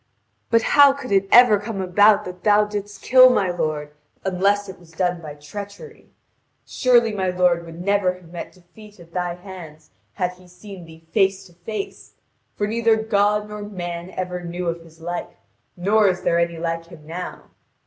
But how could it ever come about that thou didst kill my lord, unless it was done by treachery? Surely my lord would never have met defeat at thy hands had he seen thee face to face. For neither God nor man ever knew of his like, nor is there any like him now.